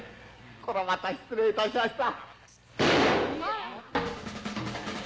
こりゃまた失礼いたしました。